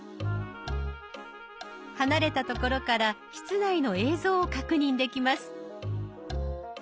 離れた所から室内の映像を確認できます。